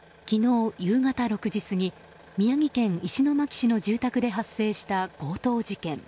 昨日夕方６時過ぎ宮城県石巻市の住宅で発生した強盗事件。